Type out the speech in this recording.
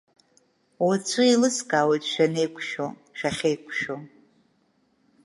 Уаҵәы еилыскаауеит шәанеиқәшәо, шәахьеиқәшәо.